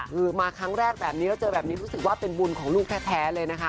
คือมาครั้งแรกแบบนี้แล้วเจอแบบนี้รู้สึกว่าเป็นบุญของลูกแท้เลยนะคะ